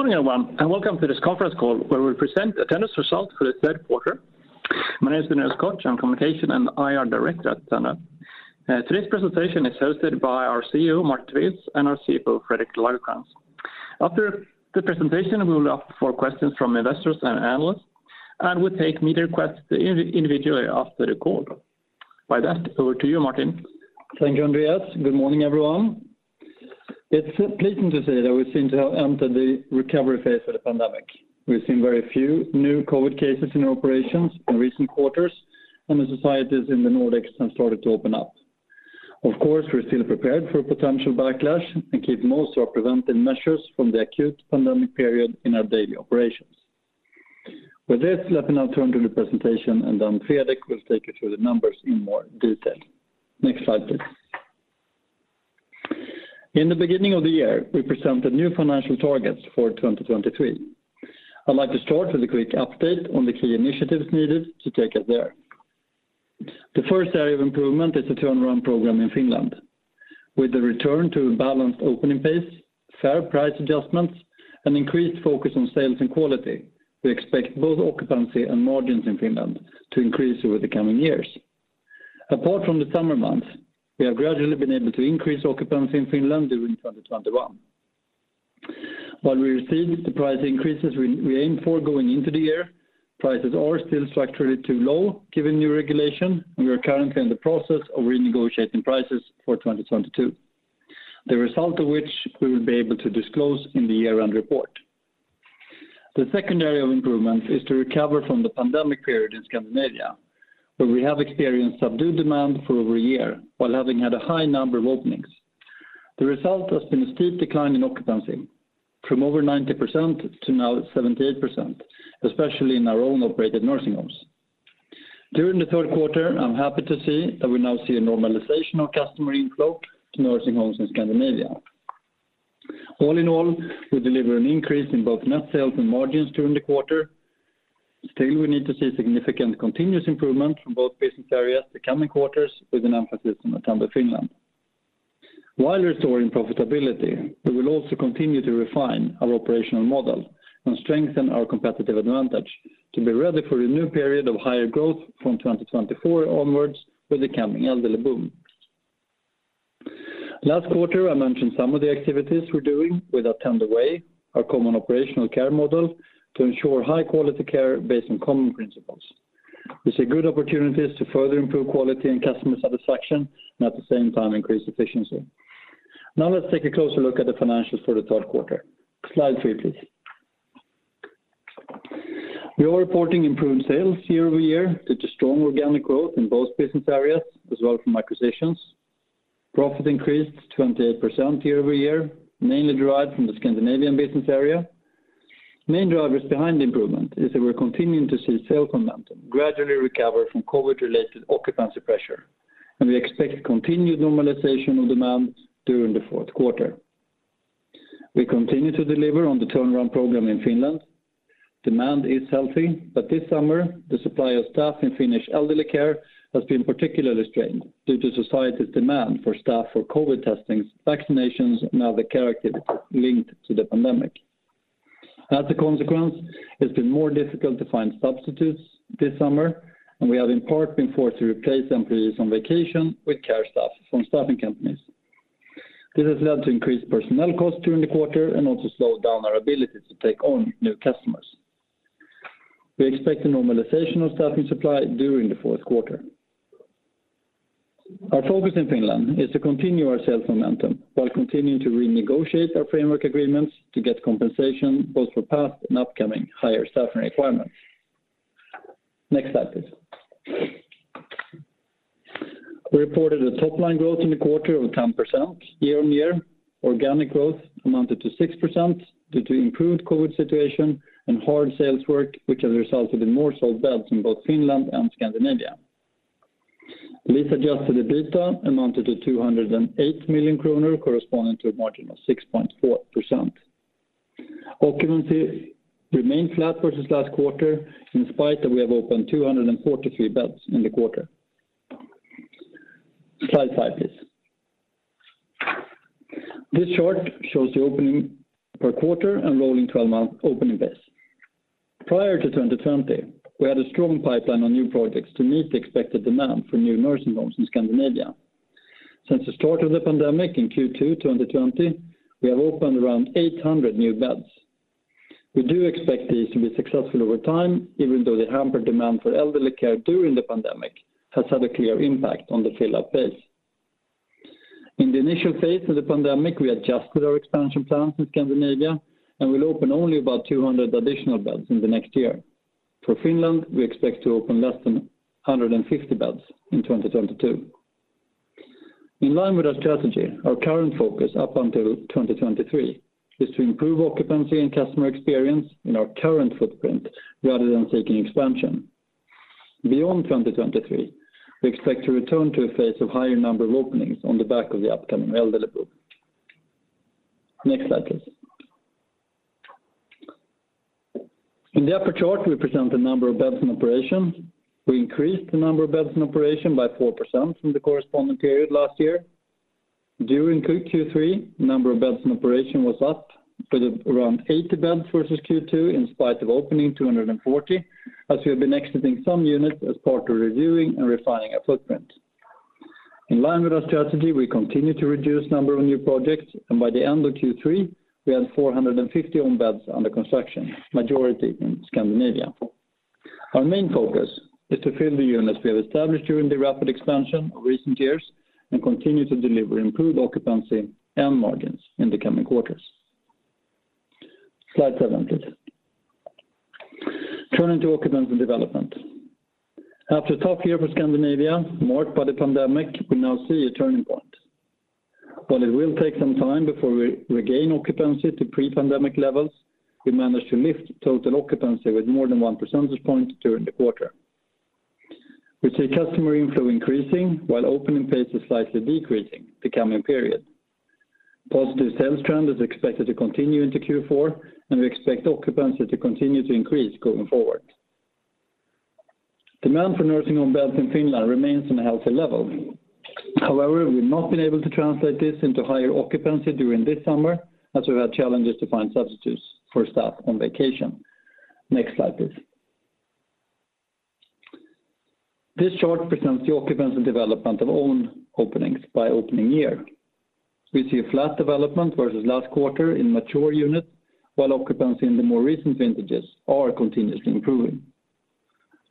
Good morning, everyone, and welcome to this conference call where we present Attendo's results for the third quarter. My name is Andreas Koch, I'm Communication and IR Director at Attendo. Today's presentation is hosted by our CEO, Martin Tivéus, and our CFO, Fredrik Lagercrantz. After the presentation, we will ask for questions from investors and analysts, and we'll take meet requests individually after the call. By that, over to you, Martin. Thank you, Andreas. Good morning, everyone. It's pleasing to say that we seem to have entered the recovery phase of the pandemic. We've seen very few new COVID cases in our operations in recent quarters, and the societies in the Nordics have started to open up. Of course, we're still prepared for a potential backlash and keep most of our preventive measures from the acute pandemic period in our daily operations. With this, let me now turn to the presentation. Then Fredrik will take you through the numbers in more detail. Next slide, please. In the beginning of the year, we presented new financial targets for 2023. I'd like to start with a quick update on the key initiatives needed to take us there. The first area of improvement is the turnaround program in Finland. With the return to a balanced opening pace, fair price adjustments, and increased focus on sales and quality, we expect both occupancy and margins in Finland to increase over the coming years. Apart from the summer months, we have gradually been able to increase occupancy in Finland during 2021. While we received the price increases we aimed for going into the year, prices are still structurally too low given new regulation, and we are currently in the process of renegotiating prices for 2022. The result of which we will be able to disclose in the year-end report. The second area of improvement is to recover from the pandemic period in Scandinavia, where we have experienced subdued demand for over a year while having had a high number of openings. The result has been a steep decline in occupancy from over 90% to now 78%, especially in our own operated nursing homes. During the third quarter, I'm happy to see that we now see a normalization of customer inflow to nursing homes in Scandinavia. All in all, we deliver an increase in both net sales and margins during the quarter. Still, we need to see significant continuous improvement from both business areas the coming quarters with an emphasis on Attendo Finland. While restoring profitability, we will also continue to refine our operational model and strengthen our competitive advantage to be ready for a new period of higher growth from 2024 onwards with the coming elderly boom. Last quarter, I mentioned some of the activities we're doing with Attendo Way, our common operational care model, to ensure high-quality care based on common principles. We see good opportunities to further improve quality and customer satisfaction and at the same time increase efficiency. Now let's take a closer look at the financials for the third quarter. Slide three, please. We are reporting improved sales year-over-year due to strong organic growth in both business areas as well from acquisitions. Profit increased 28% year-over-year, mainly derived from the Scandinavian business area. Main drivers behind the improvement is that we're continuing to see sales momentum gradually recover from COVID-related occupancy pressure. We expect continued normalization of demand during the fourth quarter. We continue to deliver on the turnaround program in Finland. Demand is healthy. This summer, the supply of staff in Finnish elderly care has been particularly strained due to society's demand for staff for COVID testings, vaccinations, and other care activities linked to the pandemic. As a consequence, it's been more difficult to find substitutes this summer, and we have in part been forced to replace employees on vacation with care staff from staffing companies. This has led to increased personnel costs during the quarter and also slowed down our ability to take on new customers. We expect a normalization of staffing supply during the fourth quarter. Our focus in Finland is to continue our sales momentum while continuing to renegotiate our framework agreements to get compensation both for past and upcoming higher staffing requirements. Next slide, please. We reported a top-line growth in the quarter of 10% year-on-year. Organic growth amounted to 6% due to improved COVID situation and hard sales work, which has resulted in more sold beds in both Finland and Scandinavia. Lease-adjusted EBITDA amounted to 208 million kronor, corresponding to a margin of 6.4%. Occupancy remained flat versus last quarter in spite that we have opened 243 beds in the quarter. Slide five, please. This chart shows the opening per quarter and rolling 12-month opening base. Prior to 2020, we had a strong pipeline of new projects to meet the expected demand for new nursing homes in Scandinavia. Since the start of the pandemic in Q2 2020, we have opened around 800 new beds. We do expect these to be successful over time, even though the hampered demand for elderly care during the pandemic has had a clear impact on the fill-up base. In the initial phase of the pandemic, we adjusted our expansion plans in Scandinavia and will open only about 200 additional beds in the next year. For Finland, we expect to open less than 150 beds in 2022. In line with our strategy, our current focus up until 2023 is to improve occupancy and customer experience in our current footprint rather than seeking expansion. Beyond 2023, we expect to return to a phase of higher number of openings on the back of the upcoming elderly boom. Next slide, please. In the upper chart, we present the number of beds in operation. We increased the number of beds in operation by 4% from the corresponding period last year. During Q3, the number of beds in operation was up to around 80 beds versus Q2, in spite of opening 240, as we have been exiting some units as part of reviewing and refining our footprint. In line with our strategy, we continue to reduce number of new projects, and by the end of Q3, we had 450 own beds under construction, majority in Scandinavia. Our main focus is to fill the units we have established during the rapid expansion of recent years, and continue to deliver improved occupancy and margins in the coming quarters. Slide seven, please. Turning to occupancy development. After a tough year for Scandinavia, marred by the pandemic, we now see a turning point. While it will take some time before we regain occupancy to pre-pandemic levels, we managed to lift total occupancy with more than 1 percentage point during the quarter. We see customer inflow increasing while opening pace is slightly decreasing the coming period. Positive sales trend is expected to continue into Q4, and we expect occupancy to continue to increase going forward. Demand for nursing home beds in Finland remains on a healthy level. However, we've not been able to translate this into higher occupancy during this summer, as we've had challenges to find substitutes for staff on vacation. Next slide, please. This chart presents the occupancy development of own openings by opening year. We see a flat development versus last quarter in mature units, while occupancy in the more recent vintages are continuously improving.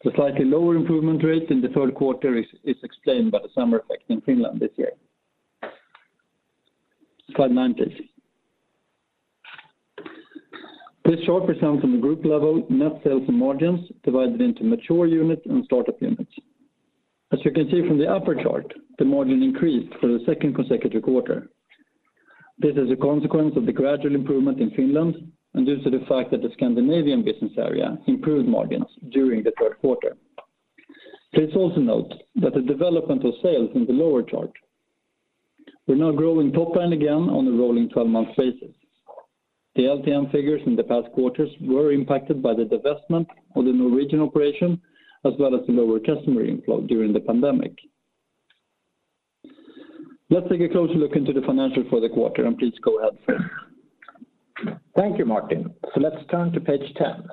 The slightly lower improvement rate in the third quarter is explained by the summer effect in Finland this year. Slide nine, please. This chart presents on the group level net sales and margins divided into mature units and start-up units. As you can see from the upper chart, the margin increased for the second consecutive quarter. This is a consequence of the gradual improvement in Finland, and due to the fact that the Scandinavian business area improved margins during the third quarter. Please also note that the development of sales in the lower chart. We're now growing top line again on a rolling 12-month basis. The LTM figures in the past quarters were impacted by the divestment of the Norwegian operation, as well as the lower customer inflow during the pandemic. Let's take a closer look into the financials for the quarter. Please go ahead, Fred. Thank you, Martin. Let's turn to page 10.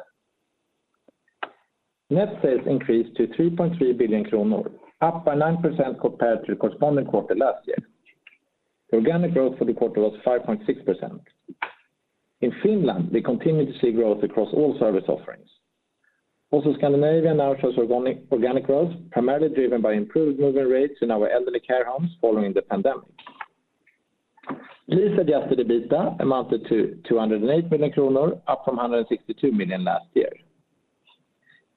Net sales increased to 3.3 billion kronor, up by 9% compared to the corresponding quarter last year. Organic growth for the quarter was 5.6%. In Finland, we continue to see growth across all service offerings. Scandinavia now shows organic growth, primarily driven by improved move-in rates in our elderly care homes following the pandemic. Lease-adjusted the EBITDA amounted to 208 million kronor, up from 162 million last year.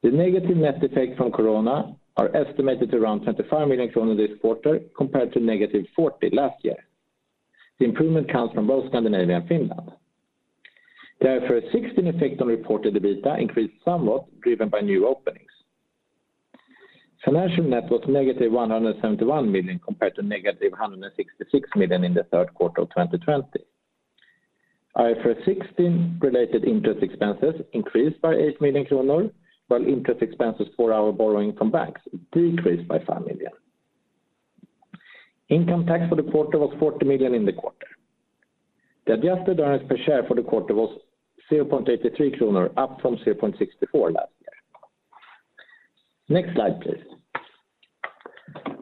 The negative net effect from corona are estimated to around 25 million kronor this quarter, compared to -40 million last year. The improvement comes from both Scandinavia and Finland. IFRS 16 effect on reported EBITDA increased somewhat, driven by new openings. Financial net was -171 million, compared to -166 million in the third quarter of 2020. IFRS 16 related interest expenses increased by 8 million kronor, while interest expenses for our borrowing from banks decreased by 5 million. Income tax for the quarter was 40 million in the quarter. The adjusted earnings per share for the quarter was 0.83 kronor, up from 0.64 last year. Next slide, please.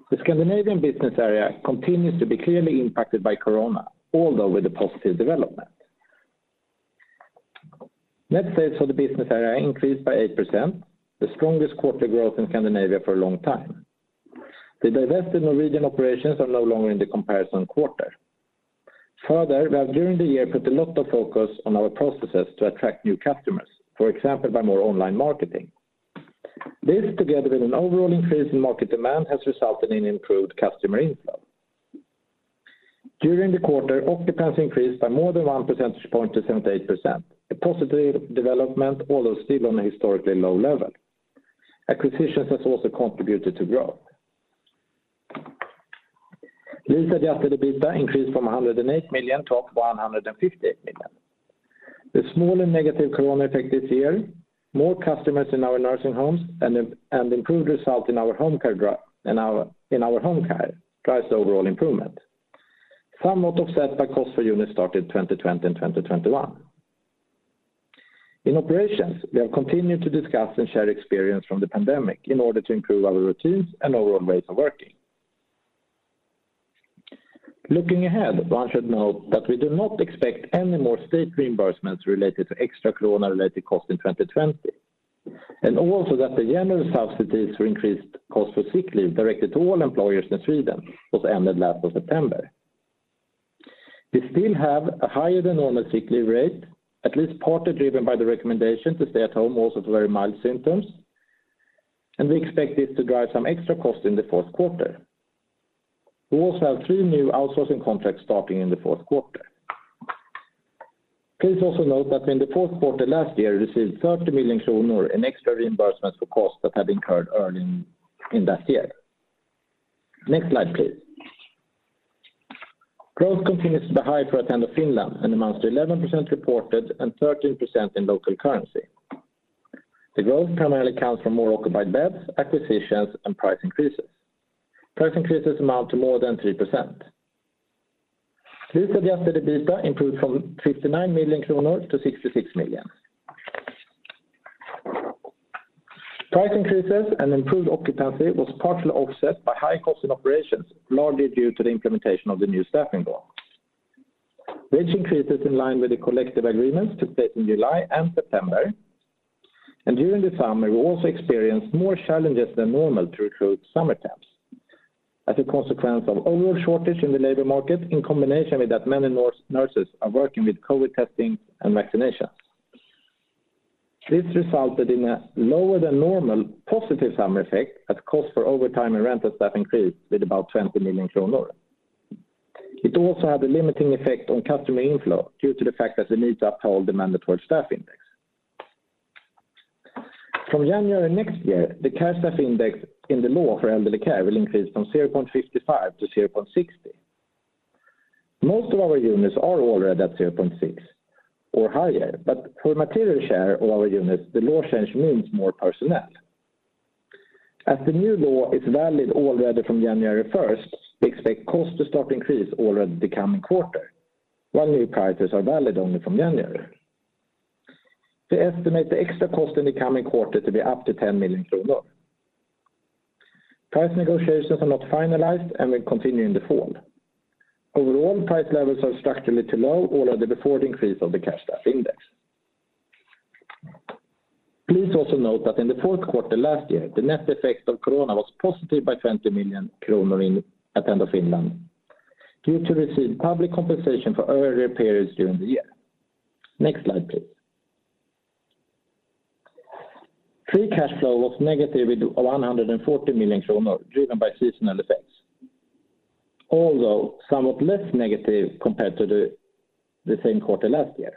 The Scandinavian business area continues to be clearly impacted by corona, although with a positive development. Net sales for the business area increased by 8%, the strongest quarter growth in Scandinavia for a long time. The divested Norwegian operations are no longer in the comparison quarter. We have during the year put a lot of focus on our processes to attract new customers, for example, by more online marketing. This, together with an overall increase in market demand, has resulted in improved customer inflow. During the quarter, occupancy increased by more than 1 percentage point to 78%, a positive development, although still on a historically low level. Acquisitions has also contributed to growth. Lease-adjusted EBITDA increased from 108 million to 150 million. The smaller negative corona effect this year, more customers in our nursing homes, and improved result in our home care drives the overall improvement. Somewhat offset by cost for units started 2020 and 2021. In operations, we have continued to discuss and share experience from the pandemic in order to improve our routines and overall ways of working. Looking ahead, one should note that we do not expect any more state reimbursements related to extra corona-related costs in 2020, and also that the general subsidies for increased cost for sick leave directed to all employers in Sweden was ended last of September. We still have a higher-than-normal sick leave rate, at least partly driven by the recommendation to stay at home also with very mild symptoms, and we expect this to drive some extra cost in the fourth quarter. We also have three new outsourcing contracts starting in the fourth quarter. Please also note that in the fourth quarter last year, we received 30 million kronor in extra reimbursements for costs that had incurred earlier in that year. Next slide, please. Growth continues to be high for Attendo Finland and amounts to 11% reported and 13% in local currency. The growth primarily comes from more occupied beds, acquisitions, and price increases. Price increases amount to more than 3%. Lease-adjusted EBITDA improved from 59 million to 66 million. Price increases and improved occupancy was partially offset by high cost in operations, largely due to the implementation of the new staffing law, which increases in line with the collective agreements took place in July and September. During the summer, we also experienced more challenges than normal to recruit summer temps as a consequence of overall shortage in the labor market, in combination with that many nurses are working with COVID testing and vaccinations. This resulted in a lower than normal positive summer effect as cost for overtime and rental staff increased with about 20 million kronor. It also had a limiting effect on customer inflow due to the fact that we need to uphold the mandatory staff index. From January next year, the care staff index in the law for elderly care will increase from 0.55 to 0.60. Most of our units are already at 0.6 or higher, but for a material share of our units, the law change means more personnel. As the new law is valid already from January 1st, we expect costs to start increase already the coming quarter, while new prices are valid only from January. We estimate the extra cost in the coming quarter to be up to 10 million kronor. Price negotiations are not finalized and will continue in the fall. Overall, price levels are structurally too low already before the increase of the care staff index. Please also note that in the fourth quarter last year, the net effect of COVID was positive by 20 million kronor in Attendo Finland due to received public compensation for earlier periods during the year. Next slide, please. Free cash flow was negative of 140 million kronor, driven by seasonal effects. Although somewhat less negative compared to the same quarter last year.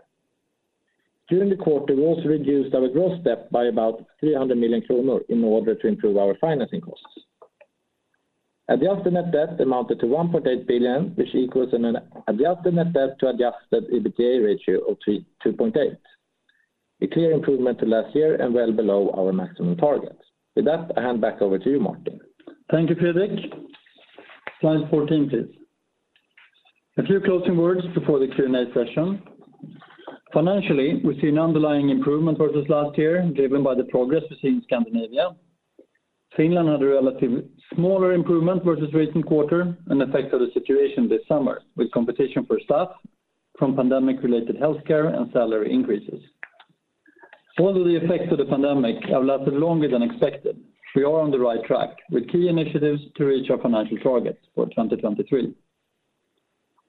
During the quarter, we also reduced our gross debt by about 300 million kronor in order to improve our financing costs. Adjusted net debt amounted to 1.8 billion, which equals an adjusted net debt to adjusted EBITDA ratio of 2.8. A clear improvement to last year and well below our maximum target. With that, I hand back over to you, Martin. Thank you, Fredrik. Slide 14, please. A few closing words before the Q&A session. Financially, we've seen underlying improvement versus last year, driven by the progress we see in Scandinavia. Finland had a relatively smaller improvement versus recent quarter, an effect of the situation this summer with competition for staff from pandemic-related healthcare and salary increases. Although the effects of the pandemic have lasted longer than expected, we are on the right track with key initiatives to reach our financial targets for 2023.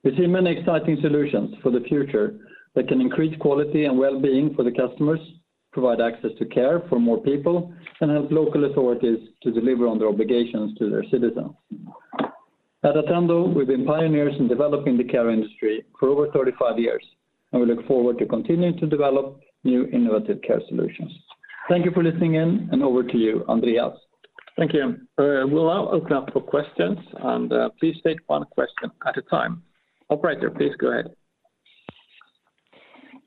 We see many exciting solutions for the future that can increase quality and wellbeing for the customers, provide access to care for more people, and help local authorities to deliver on their obligations to their citizens. At Attendo, we've been pioneers in developing the care industry for over 35 years, and we look forward to continuing to develop new innovative care solutions. Thank you for listening in, and over to you, Andreas. Thank you. We'll now open up for questions. Please state one question at a time. Operator, please go ahead.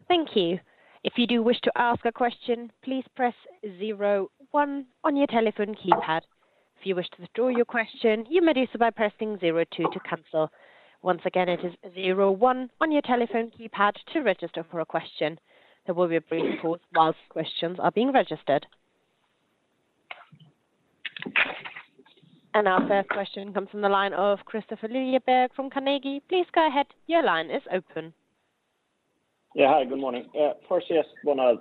Thank you. If you do wish to ask a question, please press zero one on your telephone keypad. If you wish to withdraw your question, you may do so by pressing zero two to cancel. Once again, it is zero one on your telephone keypad to register for a question. There will be a brief pause whilst questions are being registered. Our first question comes from the line of Kristofer Liljeberg from Carnegie. Please go ahead. Your line is open. Yeah, hi. Good morning. Just want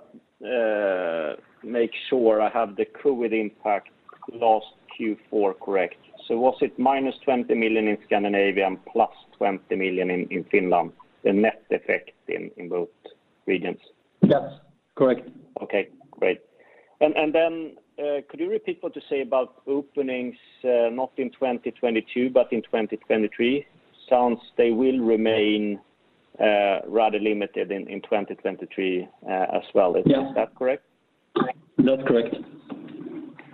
to make sure I have the COVID impact last Q4 correct. Was it -20 million in Scandinavia and +20 million in Finland, the net effect in both regions? Yes. Correct. Okay, great. Could you repeat what you say about openings, not in 2022, but in 2023? Sounds they will remain rather limited in 2023 as well. Is that correct? That's correct.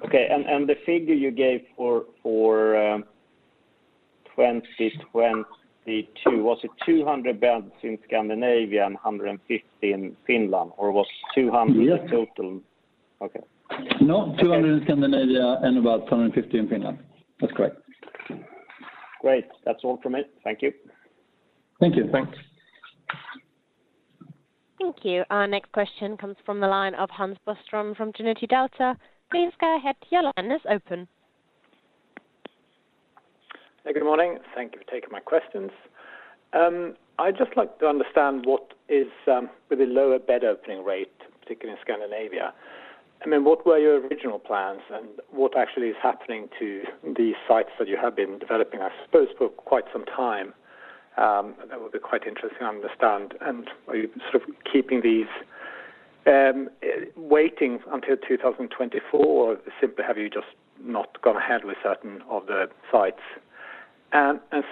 Okay. The figure you gave for 2022, was it 200 beds in Scandinavia and 150 in Finland? Was 200 the total? Yeah. Okay. 200 in Scandinavia and about 150 in Finland. That's correct. Great. That's all from me. Thank you. Thank you. Thanks. Thank you. Our next question comes from the line of Hans Bostrom from Trinity Delta. Please go ahead. Your line is open. Good morning. Thank you for taking my questions. I'd just like to understand what is with the lower bed opening rate, particularly in Scandinavia. What were your original plans, and what actually is happening to these sites that you have been developing, I suppose, for quite some time? That would be quite interesting to understand. Are you sort of keeping these, waiting until 2024? Simply have you just not gone ahead with certain of the sites?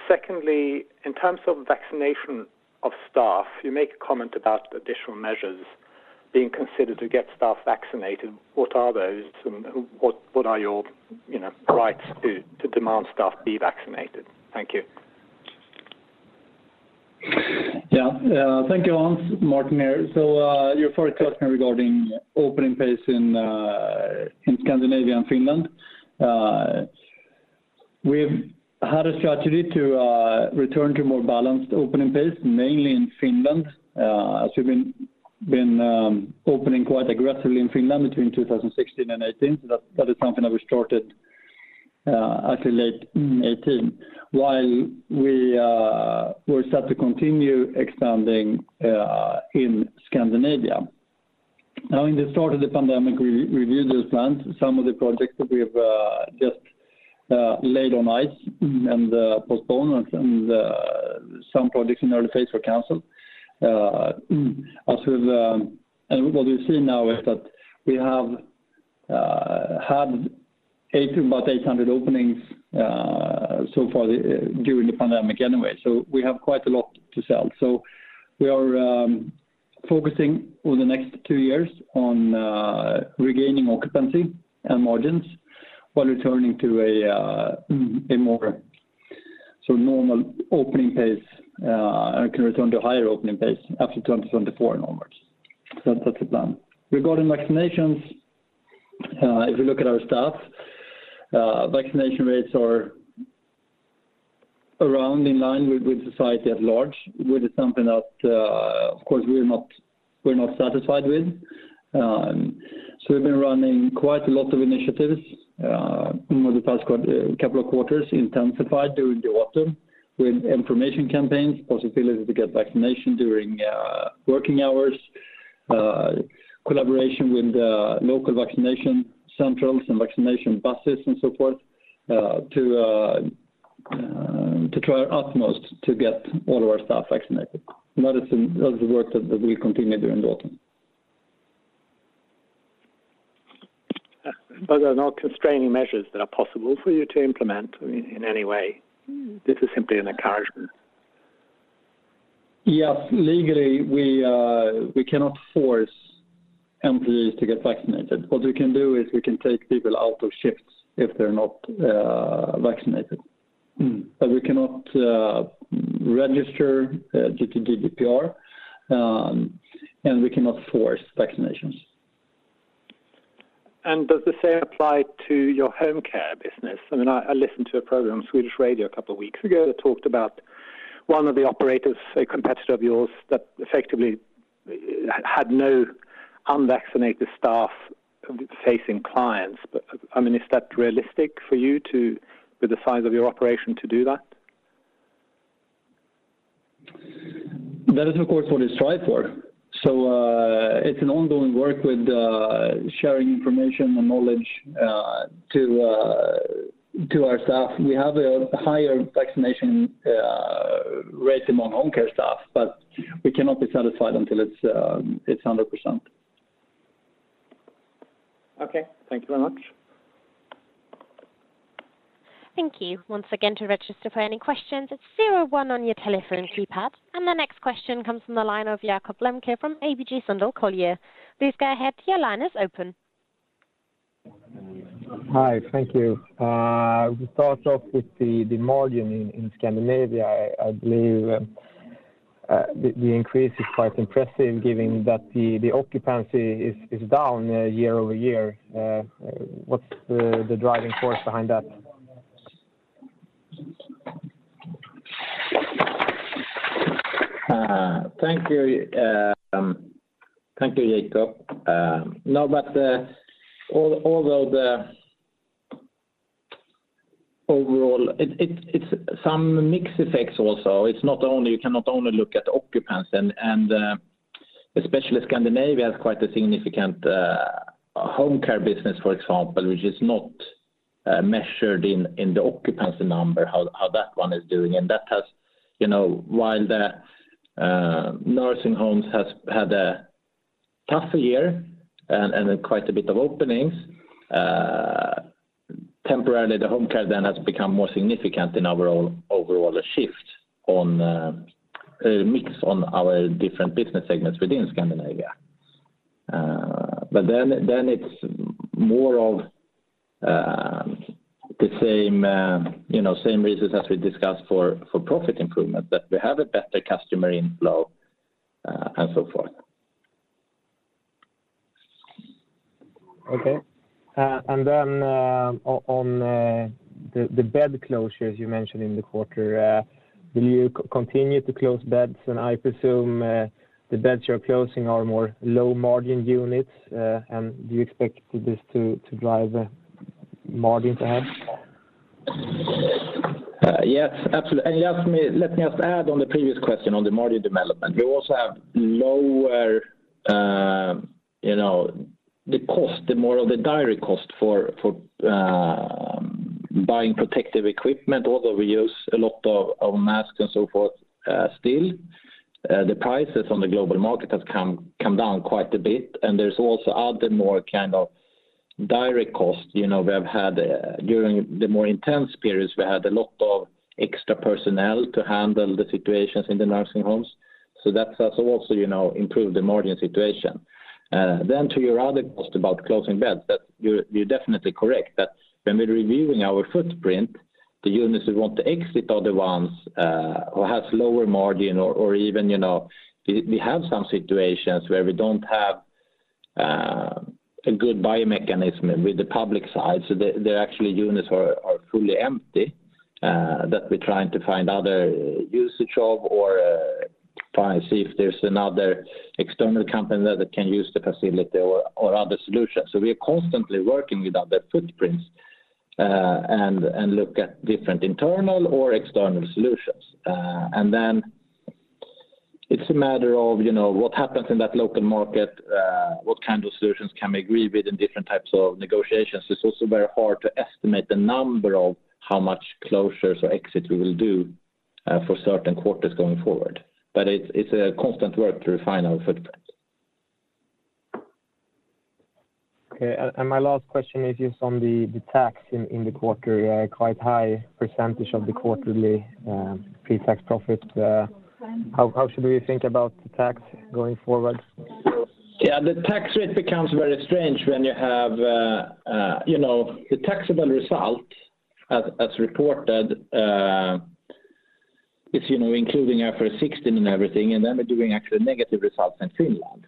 Secondly, in terms of vaccination of staff, you make a comment about additional measures being considered to get staff vaccinated, what are those? What are your rights to demand staff be vaccinated? Thank you. Yeah. Thank you, Hans. Martin here. Your first question regarding opening pace in Scandinavia and Finland. We've had a strategy to return to more balanced opening pace, mainly in Finland, as we've been opening quite aggressively in Finland between 2016 and 2018. That is something that we started actually late 2018, while we are set to continue expanding in Scandinavia. In the start of the pandemic, we reviewed those plans. Some of the projects that we have just laid on ice and postponed, and some projects in early phase were canceled. What we see now is that we have had about 800 openings so far during the pandemic anyway. We have quite a lot to sell. We are focusing over the next two years on regaining occupancy and margins while returning to a more normal opening pace can return to higher opening pace after 2024 onwards. That's the plan. Regarding vaccinations, if you look at our staff, vaccination rates are around in line with society at large, which is something that, of course, we're not satisfied with. We've been running quite a lot of initiatives over the past couple of quarters, intensified during the autumn, with information campaigns, possibility to get vaccination during working hours, collaboration with local vaccination centers and vaccination buses and so forth, to try our utmost to get all of our staff vaccinated. That is the work that we continue during the autumn. There are no constraining measures that are possible for you to implement in any way. This is simply an encouragement. Yes. Legally, we cannot force employees to get vaccinated. What we can do is we can take people out of shifts if they're not vaccinated. We cannot register due to GDPR, and we cannot force vaccinations. Does the same apply to your home care business? I listened to a program on Swedish radio a couple of weeks ago that talked about one of the operators, a competitor of yours, that effectively had no unvaccinated staff facing clients. Is that realistic for you, with the size of your operation, to do that? That is, of course, what we strive for. It's an ongoing work with sharing information and knowledge to our staff. We have a higher vaccination rate among home care staff, but we cannot be satisfied until it's 100%. Okay. Thank you very much. Thank you. Once again, to register for any questions, it's zero one on your telephone keypad. The next question comes from the line of Jakob Lembke from ABG Sundal Collier. Please go ahead, your line is open. Hi, thank you. To start off with the margin in Scandinavia, I believe the increase is quite impressive given that the occupancy is down year-over-year. What's the driving force behind that? Thank you, Jakob. Overall, it's some mixed effects also. You cannot only look at occupancy, and especially Scandinavia has quite a significant home care business, for example, which is not measured in the occupancy number, how that one is doing. That has, while the nursing homes has had a tougher year and quite a bit of openings, temporarily the home care then has become more significant in our overall shift on a mix on our different business segments within Scandinavia. It's more of the same reasons as we discussed for profit improvement, that we have a better customer inflow and so forth. Okay. Then on the bed closures you mentioned in the quarter, will you continue to close beds? I presume the beds you're closing are more low-margin units. Do you expect this to drive margin ahead? Yes, absolutely. Let me just add on the previous question on the margin development. We also have the cost, the more of the direct cost for buying protective equipment, although we use a lot of masks and so forth still. The prices on the global market have come down quite a bit. There's also other more direct cost. We have had during the more intense periods, we had a lot of extra personnel to handle the situations in the nursing homes. That has also improved the margin situation. To your other cost about closing beds, that you're definitely correct that when we're reviewing our footprint, the units we want to exit are the ones who have lower margin or even, we have some situations where we don't have a good buying mechanism with the public side. There are actually units are fully empty, that we're trying to find other usage of or trying to see if there's another external company that can use the facility or other solutions. We are constantly working with other footprints, and look at different internal or external solutions. Then it's a matter of what happens in that local market, what kind of solutions can we agree with in different types of negotiations. It's also very hard to estimate the number of how much closures or exit we will do, for certain quarters going forward. It's a constant work to refine our footprint. Okay. My last question is just on the tax in the quarter, quite high percentage of the quarterly pre-tax profit. How should we think about the tax going forward? Yeah. The tax rate becomes very strange when you have the taxable result as reported, is including IFRS 16 and everything, and then we're doing actually negative results in Finland.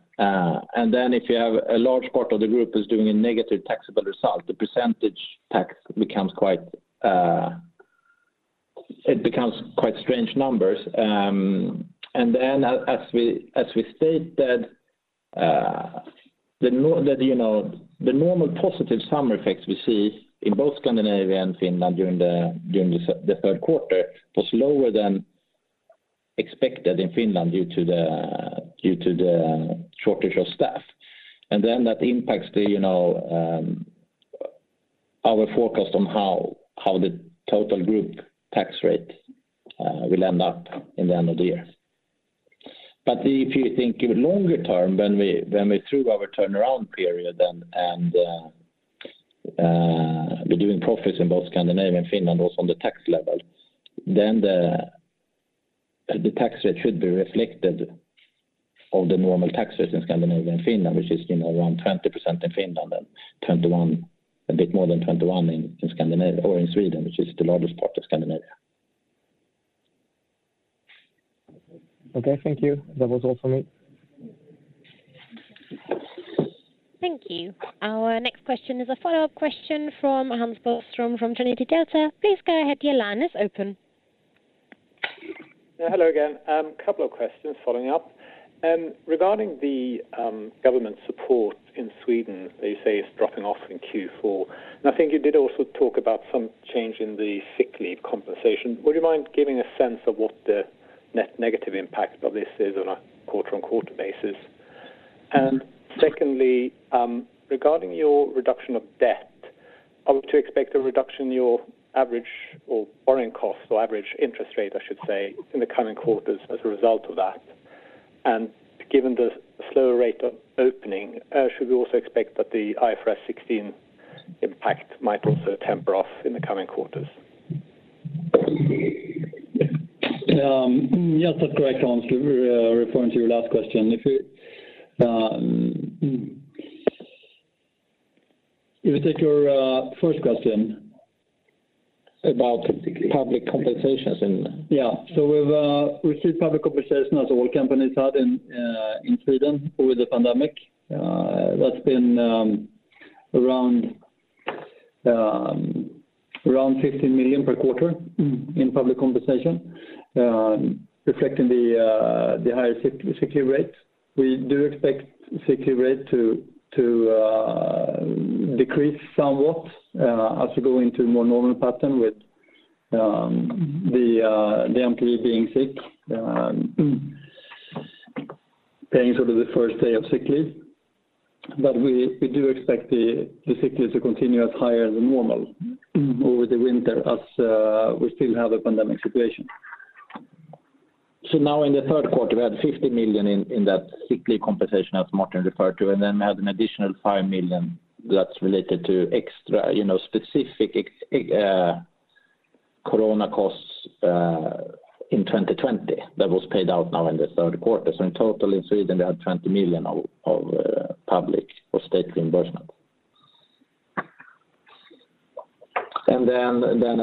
If you have a large part of the group is doing a negative taxable result, the percentage tax becomes quite strange numbers. As we stated that the normal positive summer effects we see in both Scandinavia and Finland during the third quarter was lower than expected in Finland due to the shortage of staff. That impacts our forecast on how the total group tax rate will end up in the end of the year. If you think even longer term when we're through our turnaround period and we're doing profits in both Scandinavia and Finland also on the tax level, then the tax rate should be reflected of the normal tax rate in Scandinavia and Finland, which is around 20% in Finland and a bit more than 21% in Sweden, which is the largest part of Scandinavia. Okay. Thank you. That was all for me. Thank you. Our next question is a follow-up question from Hans Bostrom from Trinity Delta. Please go ahead, your line is open. Yeah. Hello again. Couple of questions following up. Regarding the government support in Sweden that you say is dropping off in Q4. I think you did also talk about some change in the sick leave compensation. Would you mind giving a sense of what the net negative impact of this is on a quarter-on-quarter basis? Secondly, regarding your reduction of debt, are we to expect a reduction in your average or borrowing cost or average interest rate, I should say, in the coming quarters as a result of that? Given the slower rate of opening, should we also expect that the IFRS 16 impact might also temper off in the coming quarters? Yes, that's correct, Hans, referring to your last question. If we take your first question about public compensations. We've received public compensation as all companies have in Sweden over the pandemic. That's been around 15 million per quarter in public compensation, reflecting the higher sick leave rate. We do expect sick leave rate to decrease somewhat as we go into more normal pattern with the employee being sick, paying sort of the first day of sick leave. We do expect the sick leave to continue as higher than normal over the winter as we still have a pandemic situation. Now in the third quarter, we had 50 million in that sick leave compensation as Martin referred to, and then we had an additional 5 million that's related to extra specific corona costs in 2020 that was paid out now in the third quarter. In total in Sweden, we had 20 million of public or state reimbursement.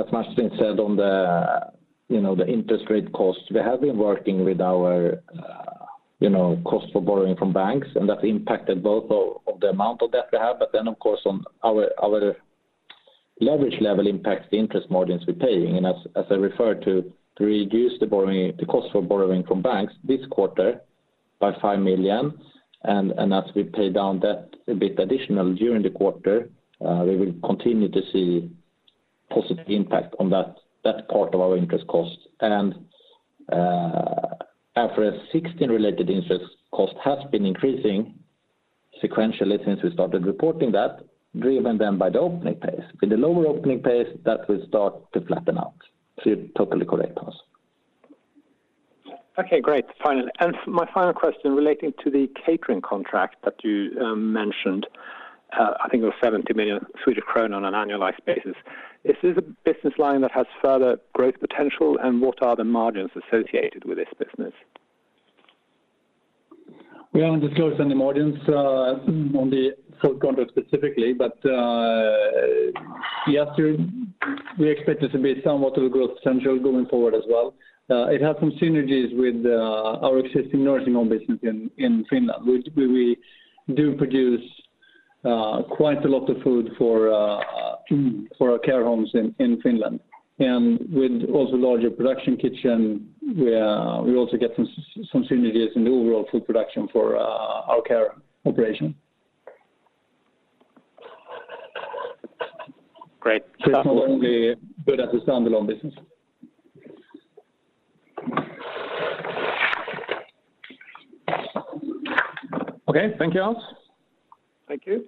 As Martin said on the interest rate cost, we have been working with our cost for borrowing from banks. That's impacted both of the amount of debt we have, of course on our leverage level impacts the interest margins we're paying. As I referred to reduce the cost for borrowing from banks this quarter by 5 million. As we pay down debt a bit additional during the quarter, we will continue to see positive impact on that part of our interest cost. IFRS 16 related interest cost has been increasing sequentially since we started reporting that, driven then by the opening pace. With the lower opening pace, that will start to flatten out. You're totally correct, Hans. Okay, great. My final question relating to the catering contract that you mentioned, I think it was 70 million Swedish kronor on an annualized basis. Is this a business line that has further growth potential, and what are the margins associated with this business? We haven't disclosed any margins on the food contract specifically, but yes, we expect it to be somewhat of a growth potential going forward as well. It has some synergies with our existing nursing home business in Finland, where we do produce quite a lot of food for our care homes in Finland. With also larger production kitchen, we also get some synergies in the overall food production for our care operation. Great. It's not only good as a standalone business. Okay. Thank you, Hans. Thank you.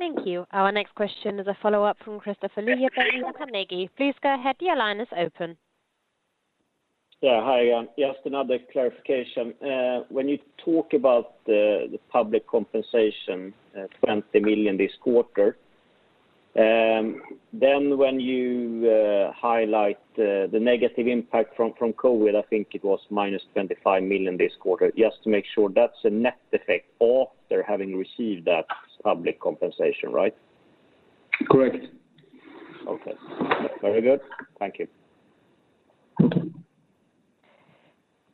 Thank you. Our next question is a follow-up from Kristofer Liljeberg from Carnegie. Please go ahead. Your line is open. Hi. Just another clarification. When you talk about the public compensation, 20 million this quarter, then when you highlight the negative impact from COVID, I think it was -25 million this quarter. Just to make sure, that's a net effect after having received that public compensation, right? Correct. Okay. Very good. Thank you.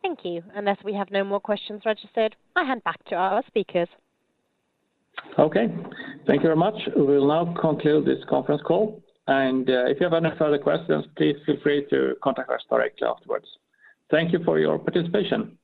Thank you. Unless we have no more questions registered, I hand back to our speakers. Okay. Thank you very much. We'll now conclude this conference call, and if you have any further questions, please feel free to contact us directly afterwards. Thank you for your participation.